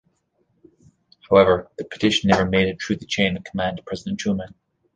However, the petition never made it through the chain of command to President Truman.